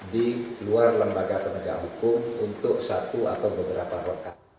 di luar lembaga penegak hukum untuk satu atau beberapa rekan